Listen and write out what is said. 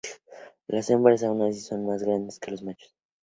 Las hembras aun así son más grandes que los machos.